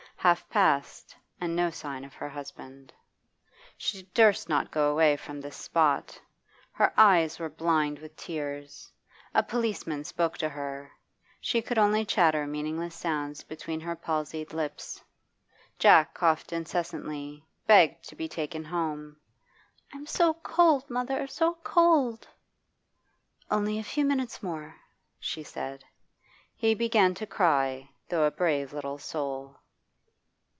Half past, and no sign of her husband.... She durst not go away from this spot Her eyes were blind with tears. A policeman spoke to her; she could only chatter meaningless sounds between her palsied lips. Jack coughed incessantly, begged to be taken home. 'I'm so cold, mother, so cold!' 'Only a few minutes more,' she said. He began to cry, though a brave little soul....